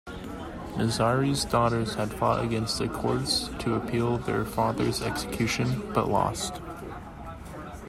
Nazari's daughters had fought against the courts to appeal their father's execution but lost.